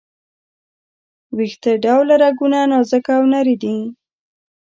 ویښته ډوله رګونه نازکه او نري دي.